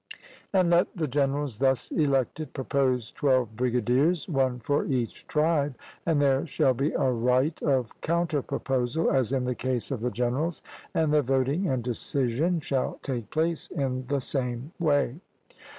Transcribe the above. And let the generals thus elected propose twelve brigadiers, one for each tribe; and there shall be a right of counter proposal as in the case of the generals, and the voting and decision shall take place in the same way.